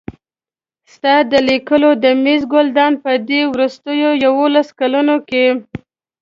ستا د لیکلو د مېز ګلدان به په دې وروستیو یوولسو کلونو کې.